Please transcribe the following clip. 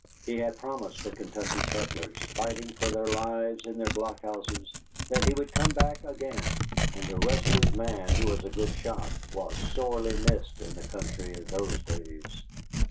He had promised the Kentucky settlers, fighting for their lives in their blockhouses, that he would come back again. And a resolute man who was a good shot was sorely missed in the country in those days.